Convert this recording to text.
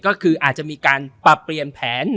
ก็คืออาจจะมีการปรับเปลี่ยนแผน